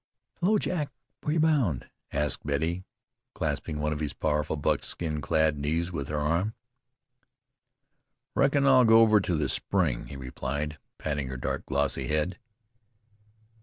"Hello, Jack, where are you bound?" asked Betty, clasping one of his powerful, buckskin clad knees with her arm. "I reckon I'll go over to the spring," he replied, patting her dark, glossy head.